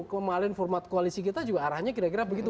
kemarin format koalisi kita juga arahnya kira kira begitu